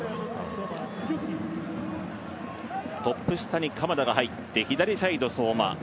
トップ下に鎌田が入って左サイド、相馬。